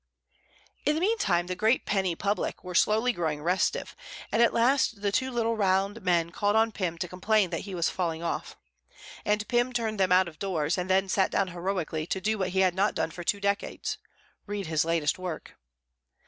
In the meantime the great penny public were slowly growing restive, and at last the two little round men called on Pym to complain that he was falling off; and Pym turned them out of doors, and then sat down heroically to do what he had not done for two decades to read his latest work.